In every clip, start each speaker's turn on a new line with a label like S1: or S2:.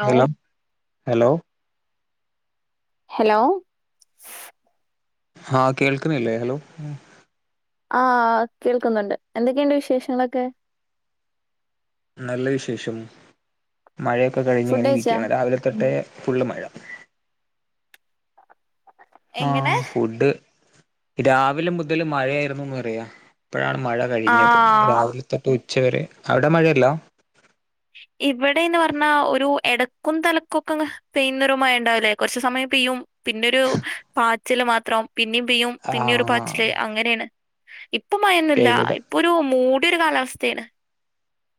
S1: Law
S2: hello hello
S1: hello
S2: ആഹ് കേൾക്കനല്ലേ hello
S1: ആഹ് കേൾക്കുന്നുണ്ട് എന്തൊക്കെയുണ്ട് വിശേഷങ്ങളൊക്കെ
S2: നല്ല വിശേഷം മഴയൊക്കെ കഴിഞ്ഞ
S1: ഫുഡ്
S2: ഇങ്ങനെ
S1: കഴിച്ചാ
S2: ഇരിക്കുകയാണ് രാവിലെ തൊട്ടേ ഫുള്ള് മഴ ആ
S1: എങ്ങനെ
S2: ഫുഡ് രാവിലെ മുതല് മഴയായിരുന്നുന്ന് പറയ ഇപ്പഴാണ് മഴ
S1: ആ
S2: കഴിഞ്ഞത്. രാവിലെ തൊട്ട് ഉച്ചവരെ അവിടെ മഴയില്ലാ?
S1: ഇവിടെന്ന് പറഞ്ഞാ ഒരു എടക്കും തലക്കും ഒക്കെ പെയ്യുന്നൊരു മയണ്ടാവില്ലേ? കൊറച്ച് സമയം പിയും പിന്നൊരു പാച്ചില് മാത്രം പിന്നിം പിയും
S2: ആ
S1: പിന്നെയൊരു പാച്ചില് അങ്ങനെണ്. ഇപ്പ മയൊന്നുല്ല.
S2: ഇവിടെ
S1: ഇപ്പ ഒരു മൂ ട്യോരു കാലാവസ്ഥേണ്.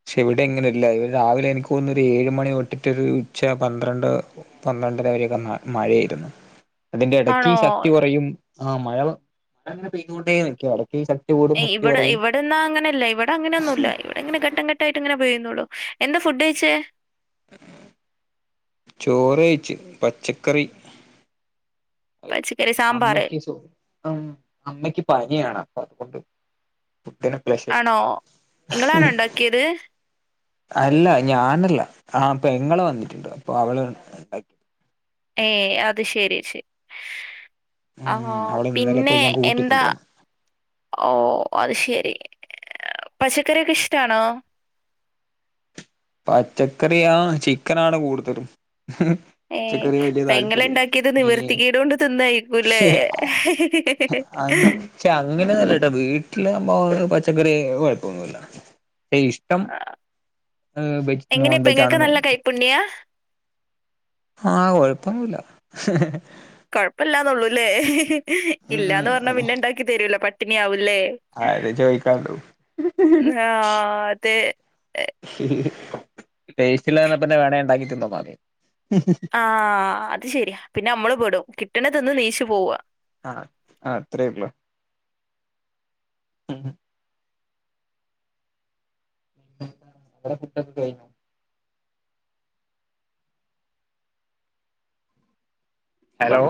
S2: പക്ഷേ ഇവിടെങ്ങനെയല്ല. രാവിലെ എനിക്കോന്നണു ഒരു ഏഴ് മണി തൊട്ട്ട്ടൊരു ഉച്ച പന്ത്രണ്ട് പ പന്ത്രണ്ടര വരോക്കെ മഴേയിരുന്നു. അതിന്റെ എടയ്ക്ക്
S1: ആണോ
S2: ശക്തി കൊറയും. ആ മഴ മഴങ്ങനെ പെയ്തോണ്ടേ നിക്കും എടയ്ക്ക് ശ
S1: ഇവടെ ഇവിടന്നാ അങ്ങനെല്ല. ഇവടെ അങ്ങനെയൊന്നുല്ല. ഇവിടെങ്ങനെ ഘട്ടംഘട്ട ട്ടായ്ട്ട്ങ്ങനെ പെയ്ന്നുള്ളൂ. എന്താ ഫുഡ് കയ്ച്ച്?
S2: ഉ ചോറഴ്ച്ച് പച്ചക്കറി
S1: പച്ചക്കറി
S2: [inaudible]
S1: സാമ്പാറ്
S2: അമ്മയ്ക്ക് സു അമ്മയ്ക്ക് പയ ന്യാണ് അപ്പ അതുകൊണ്ട് [unintelligible] പ്ലഷർ
S1: ആണോ നിങ്ങളാണോ ഉണ്ടാക്കിയത്
S2: അല്ല ഞാനല്ല. ആ പെങ്ങള് വന്നിട്ടുണ്ട്. അപ്പോ അവള് ഉണ്ടാക്കി
S1: ഏ അത് ശരി ശെ ആ
S2: ഉം അവള് ഇന്നലെ
S1: പിന്നെ
S2: പോയി ഞാൻ
S1: എന്താ
S2: കൂട്ടിക്കൊണ്ടു വന്നു
S1: ഓ അത് ശ രി പച്ചക്കറ്യോക്കെ ഇഷ്ടാണോ?
S2: പച്ചക്കറിയാ ചിക്കനാണ് കൂടുതലും
S1: ഏ
S2: പച്ചക്കറി വലിയ താല്പര്യമില്ല
S1: പയങ്ങളണ്ടാക്കിയത്
S2: പിന്നെ
S1: നിവർത്തിക്കേടുകൊണ്ട് തിന്നായിക്കൂല്ലേ?
S2: ക്ഷേ അങ്ങനെ ഒന്നൂല്ലട്ടാ വീട്ടിലാമ്പോ പച്ചക്കറിയായും കൊഴപ്പൊന്നുല്യാ. പ്പ ഇഷ്ടം
S1: ആഹ്
S2: വെജ്
S1: എങ്ങനെ
S2: നോൺ വെജ്
S1: പെങ്ങക്ക്
S2: ആണെന്ന്
S1: നല്ല കൈപ്പുണ്യാ?
S2: ആഹ കൊഴപ്പോന്നൂല്യ
S1: കുഴപ്പല്ലാന്നേള്ളൂല്ലേ? ഇല്ലാന്ന് പറഞ്ഞാ
S2: ഉം
S1: പിന്നെ ഇണ്ടാക്കി തരൂല പട്ടിണി ആവു ല്ലേ
S2: അത് ചോദിക്കാണ്ടു
S1: ന്ന്ഹാ അതേ
S2: ടേസ്റ്റില്ലാ പറഞ്ഞാപിന്നെ വേണേണ്ടാക്കിതിന്നോ മാതി
S1: ആ അത് ശര്യാ. പിന്ന അമ്മള് പെടും കിട്ടണ് തിന്ന് നീച്ചു പോവാ
S2: ആ ആ അത്രള്ളൂ മും അവടെ ഫുഡ്‌ ഒക്കെ കയിഞ്ഞോ? ഹലോ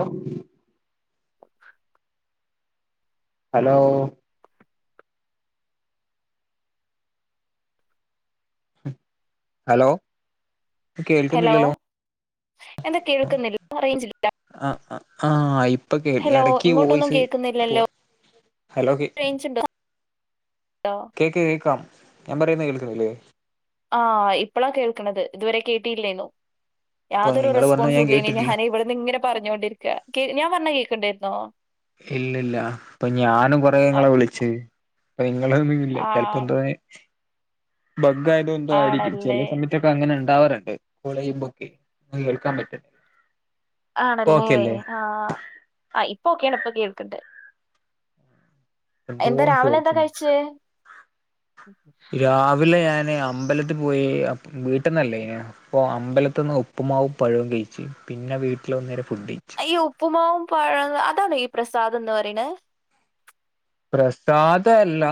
S2: ഹലോ ഹലോ
S1: ഹലോ
S2: കേൾക്കുന്നില്ലല്ലോ
S1: എന്താ കേൾക്കുന്നില്ല [unintelligible] റേഞ്ച് [unintelligible]
S2: ആ ആ ആ ഇപ്പ കേൾ ഇടക്ക്
S1: ഇങ്ങോട്ടൊന്നും
S2: വോയിസ് പ്പോ
S1: കേൾക്കുന്നില്ലല്ലോ
S2: ഹലോ കി
S1: റേഞ്ച് ഉണ്ടോ
S2: കേക്ക് കേക്കാം ഞാൻ പറയുന്ന കേൾക്കുന്നില്ലേ?
S1: ആ ഇപ്പളാ കേൾക്കണത് ഇതുവരെ കേട്ടിയില്ലേന്നു
S2: അപ്പൊ
S1: യാതൊരു
S2: നിങ്ങള് പറഞ്ഞത്
S1: റെസ്പോൺസു
S2: ഞാൻ
S1: ഇല്ലേനു.
S2: കേട്ടിട്ടില്ല
S1: ഞാന് ഇവടുന്ന് ഇങ്ങനെ പറഞ്ഞോണ്ടിരിക്ക. ഞാൻ പറഞ്ഞ കേക്കണ്ടായിരുന്നോ?
S2: ഇല്ല ഇല്ല ഇപ്പ ഞാനും
S1: ആ
S2: കൊറേങ്ങളെ വിളിച്ച് അപ്പ ഇങ്ങളൊന്നും ഇല്ല
S1: ആ,
S2: ചിലപ്പോ എന്തോന് ബഗ്ഗായതോണ്ടായിരിക്കും
S1: ആണല്ലേ
S2: ചെല സമയത്തൊക്കെ അങ്ങനാണ്. ണ്ടാവറുണ്ട് കോളെയുംമ്പളോക്കെ. ഒന്നും കേൾക്കാൻ പറ്റ
S1: ആണല്ലേ? ആ ആ ഇപ്പ ഓക്കെയാണ് ഇപ്പോ കേൾക്ക്ണ്ട്.
S2: എന്തോ
S1: എന്താ രാവിലെ എന്താ
S2: ചോദിച്ചിന്
S1: കഴ്ച്ച്?
S2: രാവിലെ ഞാൻ പിന്നെ അമ്പലത്തി പോയി വീട്ടന്നല്ലേ അപ്പൊ അമ്പലത്തിന്ന് ഉപ്പുമാവും പഴവും കഴിച്ചു പിന്നെ വീട്ടിവനേരാം
S1: അയ്യോ ഉപ്പുമാവും പഴ അതാണോ ഈ പ്രസാദം എന്ന് പറയണ
S2: പ്രസാദമല്ല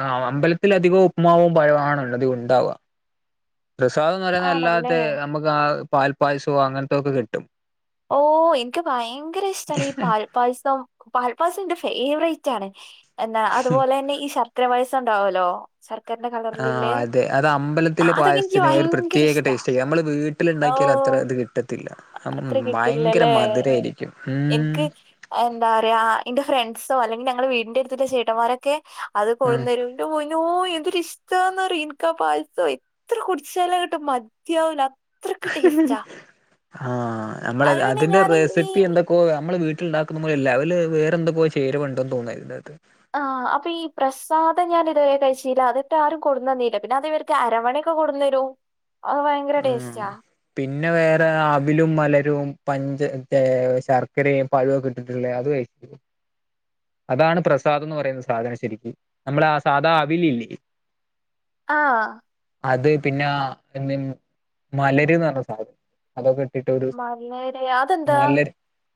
S2: ആ അമ്പലത്തില അധികവും ഉപ്പ്മാവും പഴണതി ഉണ്ടാവുക പ്രസാദം എന്ന് പറയുന്നത്
S1: ആണല്ലേ
S2: അല്ലാത നമുക്ക് ആ പാൽ പായസമോ അങ്ങനത്തെയൊക്കെ കിട്ടും
S1: ഓഹ് എനിക്ക് ഭയങ്കര ഇഷ്ടമാണ് ഈ പാൽപ്പാസം പാൽപ്പാസം എന്റെ ഫേവറേ ണ് എന്നാ അതുപോലെതന്നെ ഈ ശർക്കര വയസ്സുണ്ടാവലോ
S2: ആഹ് അതെ അത്
S1: ആ,
S2: അമ്പലത്തിലെ
S1: അതൊക്കെ എനിക്ക്
S2: പായസത്തിന ഒരു
S1: ഭയങ്കര
S2: പ്രത്യേക
S1: ഇഷ്ടാ
S2: ടേസ്റ്റ് നമ്മള്
S1: ഓ
S2: വീട്ടിലുണ്ടാക്കി അത്ര ഇത് കിട്ടത്തില്
S1: അത്ര കിട്ടില്ലല്ലേ
S2: ഉം
S1: എനിക്ക് എന്താ റയാ എൻ്റെ ഫ്രണ് സോ അല്ലെങ്കി ഞങ്ങള് വീടിന്റെ അടുത് ചേട്ടമാരൊക്കെ അത് കൊഴുന്നരുയി നോ എന്തൊരി ഇഷ്ടമാന്ന് ഇനക പായസം എത്ര കുടിച്ചാല കിട്ടും മതിയാവല
S2: ആഹ് നമ്മള
S1: അത് പിന്നെ
S2: അതിന്റെ
S1: ഞാൻ ഈ
S2: റെസിപ്പി എന്തൊകോ അം നമ്മൾ വീട്ടിലുണ്ടാക്കുന്നമ്മൾ ലെവല് വേറെ എന്ത പോ ചേരുവണ്ടെന്ന് തോന്നിയതിന്റെകത്ത്
S1: ആഹ് അപ്പൊ ഈ പ്രസാദം ഞാൻ ഇതുവരെ കഴിച്ചില്ല അതിട്ട ആരും കൊടു തന്നീല്ല പിന്നെ അത്വർക്ക് അരവണ ക്ക കൊടുന്നരു
S2: ആഹ് പിന്നെ വേറെ അവിലും മലരും പഞ്ച ശർക്കരയും പഴുവൊക്കെ ഇട്ടിട്ടുള്ളേ അത് കഴി അതാണ് പ്രസാദംന്ന് പറയുന്ന സാധന ശരിക്ക നമ്മൾ ആ സാധ അവിലില്ലേ
S1: ആഹ്
S2: അത് പിന്നെ ആ [unintelligible] മലരുന്ന് പറഞ്ഞ സാധനം അതൊക്കെ [unintelligible] ഒരു
S1: മലര് അതെന്താ
S2: മലര്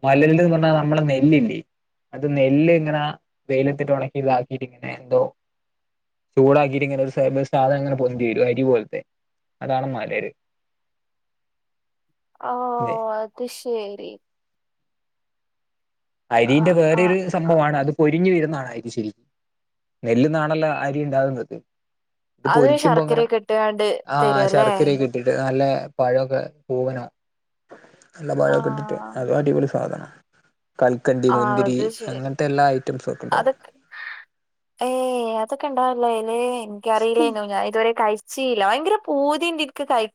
S2: മലര്ന്ന് പറഞ്ഞ നമ്മുടെ നെല്ലില്ലേ അത് നെല്ല് ഇങ്ങനാ വെയിലെത്തിട്ട് ഉണക്കി ഇതാക്കിട്ട ഇങ്ങനെ എന്തോ ചൂടാക്കിട്ട് ഇങ്ങനെ ഒരു സാധനം അങ്ങനെ പൊന്തി വരും അരി പോലത്തെ അതാണ് മ [unintelligible]
S1: ഓഹ് അത് ശരി
S2: അരിന്റെ
S1: ആഹ്
S2: വേറൊരു
S1: ആഹ്
S2: സംഭവാണ് അത് പോയി [unintelligible] അരി ശരി നെല്ല്ന്നാണല്ല അരി ഉണ്ടാകുന്നത് ഇട്ട്
S1: അത്
S2: പൊരിക്കുമ്പോ അങ്ങനെ
S1: ശർക്കരയൊക്കെ ഇട്ടുകാണ്ട്
S2: ആഹ്
S1: തരുവല്ലേ
S2: ശർക്കരയൊക്കെ ഇട്ടിട്ട് നല്ല പഴക്കെ പൂവനോ നല്ല പഴമൊക്കെ ഇട്ടിട്ട്
S1: ആഹ്
S2: അതുവാടിപൊളി സാധന കൽക്കണ്ടി
S1: ആഹ്
S2: മുന്തിരി
S1: അത് ശരി
S2: അങ്ങനത്തെ എല്ലാ ഐറ്റംസും ഒക്കെ ഉണ്ടാവും
S1: അതൊക്കെ ഏയ് അതൊക്കെ ഉണ്ടാവല്ലോ ഏയ് എനിക്കറിയില്ലന്നോ ഞാൻ ഇതുവരെ കഴിച്ചില്ല ഭയങ്കര പൂതിയ ഉണ്ട്നീക്ക് കഴി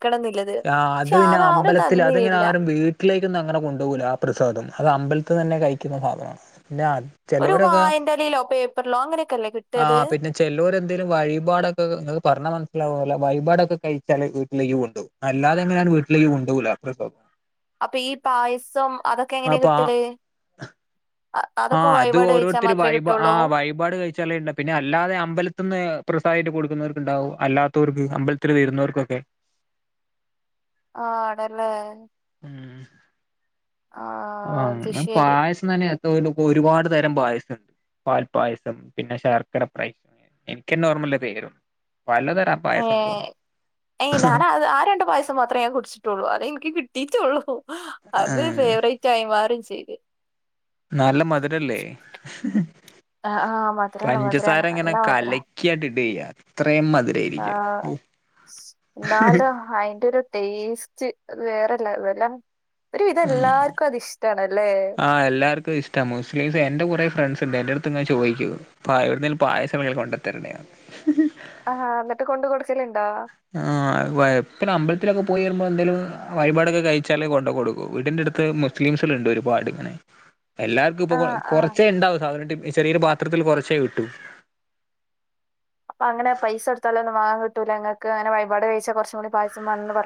S2: ആഹ് അത് പിന്നെ അമ്പലത്തിൽ അതങ്ങനെ
S1: തന്നില്ല
S2: ആരും വീട്ടിലേക്കൊന്നും അങ്ങനെ കൊണ്ടുപോകല ആ പ്രസാദം അത് അമ്പലത്ത് തന്നെ കഴിക്കുന്ന ഭാഗമാണ് പിന്നെ
S1: ഒരു
S2: ചലോരൊക്കെ
S1: വായന്റെലയിലോ പേപ്പറിലോ അങ്ങനെയൊക്കെല്ലേ കിട്ടത്
S2: ആഹ് പിന്നെ ചെല്ലൂർ എന്തേലും വഴിപാടൊക്കെ ങ്ങക്ക് പറഞ്ഞ മന [unintelligible] വൈപാടൊക്കെ കഴിച്ചാല് വീട്ടിലേക്ക് കൊണ്ടു പോവും അല്ലാതെങ്ങനെയാണ് വീട്ടിലേക്ക് കൊണ്ടൂ പോകില്ല [unintelligible]
S1: അപ്പൊ ഈ പായസം അതൊക്കെ എങ്ങനെ
S2: അപ്പൊ ആ
S1: കിട്ടല് അ- അതൊക്കെ
S2: ആഹ് അത്
S1: വഴിപാട് കഴിച്ചാൽ
S2: ഓരോരുത്തരു
S1: മാത്രമേ
S2: വയിപാ ആ
S1: കിട്ടുള്ളൂ
S2: വയിപാട് കഴിച്ചാല ഉണ്ട പിന്നെ അല്ലാതെ അമ്പലത്തിന്ന് അപ്രസായിട്ട് കൊടുക്കുന്നവർക്കുണ്ടാവും അല്ലാത്തവർക്ക് അമ്പലത്തിൽ വരുന്നവർക്കൊക്കെ
S1: ആഹ് ണല്ലേ
S2: ഉം
S1: അത്
S2: അങ്ങനെ
S1: ശരി
S2: പായസം തന്നെ ഒരുപാട് തരം പായസംണ്ട് പാൽ പായസം പിന്നെ ശർക്കര പായ [unintelligible] എനിക്കെന്ന ഓർമ്മല്ല ദേരും
S1: ഏഹ് എഹ് ഞാനാ അത് ആ രണ്ട് പായസം മാത്രേ ഞാൻ കുടിച്ചിട്ടൊള്ളൂ അതെൻക്ക് കി ട്ടിട്ടൊള്ളൂ അത്
S2: ആഹ്
S1: ഫേവറെയ്റ്റായി മാറും ചെയ്ത്.
S2: നല്ല മധുരല്ലേ?
S1: ആ ആ, മധുരാണ് മധുരാണ്
S2: പഞ്ചസാര ങ്ങനെ
S1: നല്ല
S2: കലക്ക്യാണ്ട് ഇടെയ്യ
S1: ആഹ് ന്നാലും അയ്ൻ്റൊരു ടേസ്റ്റ്. അത് വേറെ ലെവെലാ.
S2: ഉം ആഹ് എല്ലാർക്കുഷ്ട്ട മുസ്ലിംസ് എന്റെ കുറെ ഫ്രണ്ട്സ് ണ്ട്. എൻ്റെട്ത്ത്ങ്ങനെ ചോയ്ക്കും പ്പ എവ്ട്ന്നേലും പായസണ്ടങ്കില് കൊണ്ടെത്തരണെന്ന്.
S1: ആഹ് ന്നട്ട് കൊണ്ട് കൊട്ക്കല്ല്
S2: ആഹ് വയ്പ്പലമ്പൽ ത്തിലൊക്കെ പോയി വെര്മ്പോ എന്തേലും വഴിപാടൊക്കെ കഴിച്ചാല് കൊണ്ട കൊടുക്കും വീടിന്റെട്ത്ത് മുസ്ലിംസള്ണ്ട് ഒരുപാട് ങ്ങനെ എല്ലാർക്ക്പ്പൊ
S1: ആ
S2: കൊ
S1: ആ
S2: കൊറച്ചേ ണ്ടാവു സാധാന ടിപ് ഇ ചെറിയൊരു പാത്രത്തില് കൊറച്ചേ കിട്ടു.
S1: വാങ്ങ കിട്ടൂലെങ്ങക്ക് ങ്ങനെ വയ്പാട് കഴ്ച്ചാ കൊർച്ചു കൂടി പായസം മാണന്ന് പർ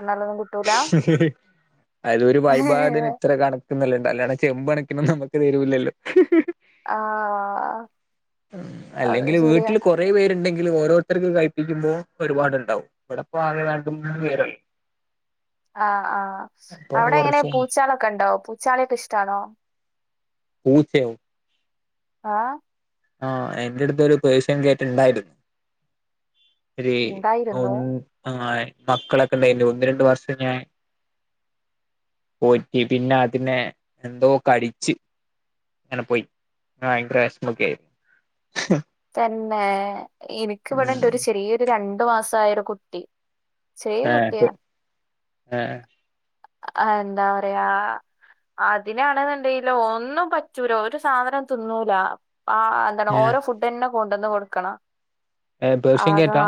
S2: അയ്‌ലൊരു വഴിപാടിന് ത്ര കണക്ക്ന്ന്ല്ലണ്ട് അല്ലാതെ ചെമ്പണ [unintelligible] നമക്ക് തെരൂല്ലല്ലോ
S1: ആഹ് അത്
S2: അല്ലെങ്കില്
S1: ശരിയാ
S2: വീട്ടില് കൊറെ പേര്ണ്ടെങ്കി ല് ഓരോര്ത്തര്ക്ക് കഴിപ്പിക്കുമ്പോ ഒരുപാട്ണ്ടാവും ഇവടെപ്പാകെ രണ്ട് മൂന്നാല് പേരല്ലേ
S1: ആഹ് ആഹ്
S2: അപ്പൊ
S1: അവടെ ങ്ങനെ
S2: കുറച്ച്
S1: പൂച്ചാളൊക്കെണ്ടോ പൂച്ചാളിക്കെഷ്ടാണോ?
S2: പൂച്ചയോ
S1: ആഹ്
S2: ആഹ് എൻ്റെട്ത്തൊര് പേഷ്യൻ കേറ്റുണ്ടായിരുന്നു. ഒരേ ഒൺ
S1: ഉണ്ടായിരുന്നു
S2: ആഹ് മക്കളൊക്കെണ്ടേര്ന്നു ഒന്ന് രണ്ട് വർഷം ഞാൻ പോറ്റി പിന്നെ അതിനെ എന്തോ കടിച്ച്. അങ്ങനെ പോയി ഭയങ്കര വെശ്മൊക്കെയി ഹും
S1: തന്നെ എനിക്ക് ഇവിടെയുണ്ട്
S2: ഉം
S1: ഒരു ചെറിയൊരു രണ്ട് മാസായ ഒരു കുട്ടി ചെറിയ കുട്ടിയാ
S2: ഏ
S1: ആഹ് എന്താ പറയാ അതിനാണെന്നുണ്ടെങ്കില് ഒന്നും പറ്റൂല ഒരു സാധനവും തിന്നൂല ആ എന്താണ്
S2: ഏഹ്
S1: ഓരോ ഫുഡ് തന്നെ കൊണ്ടുവന്ന് കൊടുക്കണം
S2: ഏ പേർഷ്യൻ ക്യാറ്റാ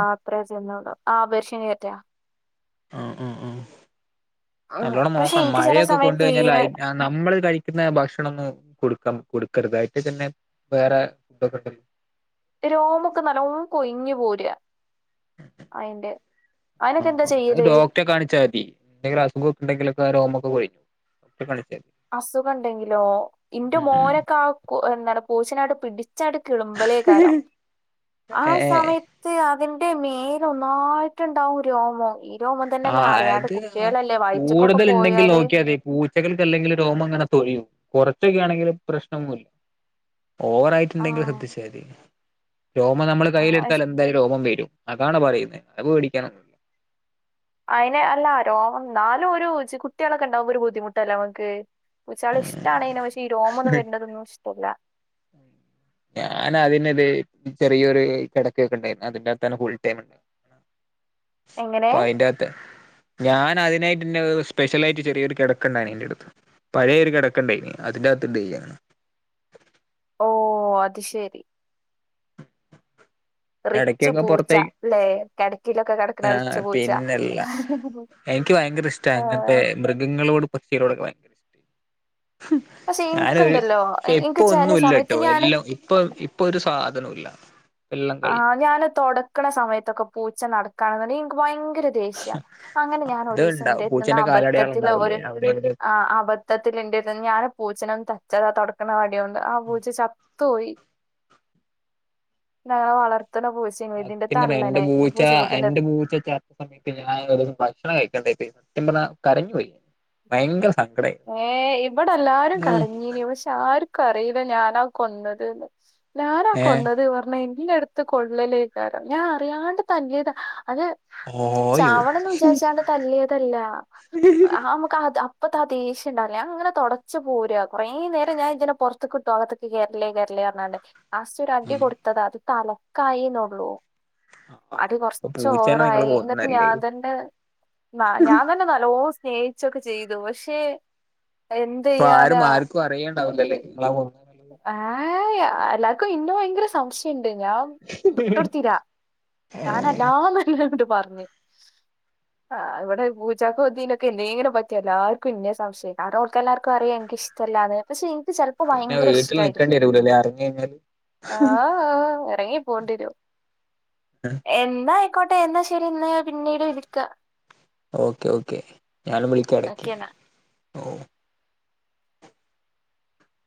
S1: ചെന്നോളും ആ പേർഷ്യൻ ക്യാറ്റാ
S2: ആഹ് ആഹ് ആഹ്
S1: ഉം
S2: നല്ലോണം
S1: പക്ഷെ
S2: നോക്കണം
S1: എനിക്ക് ചില
S2: മഴയൊക്കെ കൊണ്ട്
S1: സമയത്ത്
S2: കഴിഞ്ഞാൽ
S1: തീരെ
S2: അയി നമ്മള് കഴിക്കുന്ന ഭക്ഷണം ഒന്നും കൊടുക്ക കൊടുക്കരുത് അയിട്ടിൽ തന്നെ വേറെ ഫുഡൊക്കെ ഉണ്ടല്ലോ
S1: രോമവൊക്കെ നല്ലോണം കൊയിഞ്ഞ് പോരുവാ അയിന്റെ
S2: ആഹ് അതിന് ഡോക്ടറെ കാണിച്ചാൽ മതി എന്തെങ്കിലും അസുഖമൊക്കെ ഉണ്ടെങ്കിലൊക്കെ രോമം കൊഴിഞ്ഞ് പോകും ഡോക്ടറെ കാണി
S1: അസുഖം ഉണ്ടെങ്കിലോ ഇന്റെ
S2: ഉം
S1: മോനൊക്കെ ആ എന്താ പറയുക പൂച്ചേനെ അങ്ങട്ട് പിടി [unintelligible] ആ
S2: ഏ
S1: സമയത്ത് അതി ന്റെ മേൽ ഒന്നായിട്ടുണ്ടാവും രോമം ഈ രോമം
S2: ആ
S1: തന്നെയല്ല അറിയാണ്ട്
S2: അത്
S1: കുട്ടികളല്ലേ വയറ്റിക്കൊക്കെ
S2: കൂടുതൽ ഉണ്ടെങ്കിൽ
S1: പോയാല്
S2: നോക്കിയാൽ മതി പൂച്ചകൾക്ക് അല്ലെങ്കിലും രോമം അങ്ങനെ കൊഴിയും കുറച്ചൊക്കെ ആണെങ്കിൽ പ്രശ്നവൊന്നുമില്ല ഓവർ
S1: ആ
S2: ആയിട്ടുണ്ടെങ്കിൽ ശ്രദ്ധിച്ചാ മതി രോമം നമ്മള്
S1: ആ,
S2: കയ്യിലെടുത്താൽ
S1: ഇഷ്-
S2: എന്തായാലും രോമം വരും അതാണ് പറയുന്നത് അത് പേടിക്കാനൊന്നുമില്ല
S1: അയിനെ അല്ല രോമം എന്നാലും ഒരു കൊച്ച് കുട്ടികളൊക്കെ ഉണ്ടാവുമ്പോ ഒരു ബുദ്ധിമുട്ടല്ലേ നമുക്ക് പൂച്ചാകളെ
S2: പേടിക്കാനൊന്നുമില്ല
S1: ഇഷ്ടമാണ് ഇതിനെ പക്ഷെ ഈ റോമവൊന്നും വരുന്നതൊന്നും ഇഷ്ടമല്ല
S2: ഞാന് അതിനത് ചെറിയൊരു കിടക്കയൊക്കെ ഉണ്ടായിരുന്നു അതിന്റെകത്ത് തന്നെ ഫുൾ ടൈം ഉണ്ടാവും
S1: എങ്ങനെ
S2: അപ്പോ അയിൻ്റാത്തെ ഞാൻ അതിനായിട്ടെന്നെ [unintelligible] സ്പെഷ്യലായിട്ട് ചെറിയൊരു കെടക്കണ്ടായിന് എന്റടുത്ത് പഴേ ഒരു കെടക്കണ്ടേനി അതിൻ്റാത്ത് [unintelligible]
S1: ഓഹ് അതുശരി
S2: പിന്നെ
S1: റിച്ചു
S2: ഇടക്കൊക്കെ
S1: പൂച്ച,
S2: പുറത്തേക്ക്
S1: അല്ലേ കെടക്കയിലൊക്കെ കെടക്കുന്ന റിച്ചുപൂച്ച.
S2: എനിക്കു ഭയങ്കരിഷ്ടാ, ഇങ്ങനത്തെ മൃഗങ്ങളോടും പക്ഷികളോടൊക്കെ ഭയ
S1: പക്ഷെ
S2: ഞാനൊരു,
S1: ഇനിക്കുണ്ടല്ലോ
S2: ഇപ്പൊ
S1: എനിക്ക് ചില
S2: ഒന്നൂല്ല
S1: സമയത്ത്
S2: ട്ടോ,
S1: ഞാന്
S2: എല്ലോ ഇപ്പൊ ഇപ്പ ഒരു സാധനോല്ല എല്ലം കയിഞ്ഞ്
S1: ഞാന്‌ തൊടക്കണ സമയത്തൊക്കെ പൂച്ച നടക്കാണെന്നുണ്ടെങ്കി ഇൻക്ക് ഭയ ങ്കര ദേഷ്യാ, അങ്ങനെ ഞാനൊരീസം
S2: അത്ണ്ടാവും
S1: ഇൻ്റെടുത്ത്ന്ന്
S2: പൂച്ചന്റെ കാലടയാളം
S1: അബദ്ധത്തിലൊരു
S2: ഉണ്ടാവില്ലേ അവിടെ എവിടെയൊക്കെ
S1: ആഹ് അബദ്ധത്തിലെന്റെടുത്ത്ന്ന് ഞാന് പൂച്ചനൊന്ന് തട്ട് [unintelligible] തൊടക്കണ വടി കൊണ്ട് ആ പൂച്ച ചത്തുപോയി. പിന്നങ്ങനെ വളർ
S2: സത്യം പറഞ്ഞാ എന്റെ പൂച്ച,
S1: പൂച്ചക്കുട്ടിന്റെ
S2: എന്റെ പൂച്ച ചത്ത സമയത്ത് ഞാൻ ഭക്ഷണം കഴിക്കാണ്ടായിപ്പോയി. സത്യം പറഞ്ഞാ കരഞ്ഞു പോയി, ഭയങ്കര സ
S1: ഏഹ് ഇവിടെല്ലാരും കരഞ്ഞീനി പക്ഷേ ആരും കരയ് ഞാനാ കൊന്നത് ന്ന് ഞാനാ
S2: ഏ
S1: കൊന്നത് പറഞ്ഞാ എനി ന്റെടുത്ത് [unintelligible] ഞാൻ അറിയാണ്ട് തല്ലിയതാ അത്
S2: ഓയോ
S1: ചാവണെന്നു വിചാരിച്ചാണ്ട് തല്ലിയതല്ല ആ അമ്മക്കത് അപ്പ് ത്തെ ആ ദേഷ്യണ്ടാവില്ലേ, ഞാനിങ്ങനെ തൊടച്ചു പോരാ കൊറേനേരം ഞാ ഇതിനെ പൊറത്തക്ക്ട്ടു അകത്തേക്ക് കേറല്ലേ കേറല്ലേന്ന് ഞ്ഞാണ്ട്, ലാസ്റ്റൊരടി
S2: ഉം.
S1: കൊടുത്തതാ അതു തലക്കായീന്നുള്ളൂ അടി
S2: അപ്പൊ പൂച്ചേനെ നിങ്ങള്
S1: കൊറച്ചോവറായി എന്നിട്ടു
S2: കൊന്നല്ലേ
S1: ഞാൻ തന്നെ നാ, ഞാൻതന്നെ നല്ലോണ്ണം സ്നേഹിച്ചൊക്കെചെയ്തു പക്ഷേ
S2: ഇപ്പൊ ആരും
S1: എന്തുചെയ്യാനാ,
S2: ആർക്കും അറിയണ്ടാവില്ലല്ലേ
S1: [unintelligible]
S2: നിങ്ങളാ കൊന്ന
S1: ആയാ എല്ലാർക്കും ഇന്നെ ഭയങ്കര സംശയം ഞാം വിട്ടൊട്ത്തിലാ [unintelligible] പർഞ് ആഹ് ഇവിടെ പൂച്ചക്കോ തിനൊക്കെ എന്തേലും പറ്റിയാ എല്ലാർക്കും ഇന്നെ സംശയം കാരണം ഓൽക്കെല്ലാർക്കുറിയാ എനിക്കിഷ്ട അല്ലാതെ പക്ഷേ ഇൻക്ക് ചെൽപ്പം ഭയ
S2: പിന്നെ വീട്ടിൽ നിക്കേണ്ടി
S1: രിഷ്ടയിരിക്കും
S2: വരൂലല്ലേ അറിഞ്ഞു കഴിഞ്ഞാല്
S1: ആഹ് ആഹ് എറങ്ങി പോണ്ടെരും എന്നായ്ക്കോട്ടെ എന്നാ ശെരി എന്നാ ഞാൻ പിന്നീട് വിളിക്കാ
S2: ഓക്കെ, ഒക്കെ ഞാനും വിളിക്കാ എടക്ക്
S1: ഓക്കെ
S2: ഓ